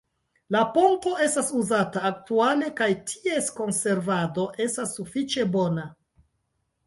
La ponto estas uzata aktuale kaj ties konservado estas sufiĉe bona.